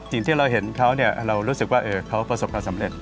สิ่งที่เราเห็นเขาเรารู้สึกว่าเขาประสบความสำเร็จ